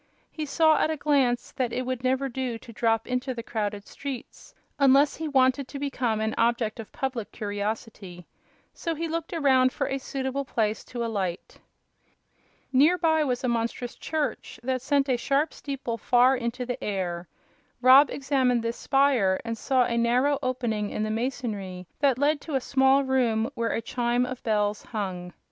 He saw at a glance that it would never do to drop into the crowded streets, unless he wanted to become an object of public curiosity; so he looked around for a suitable place to alight. Near by was a monstrous church that sent a sharp steeple far into the air. Rob examined this spire and saw a narrow opening in the masonry that led to a small room where a chime of bells hung.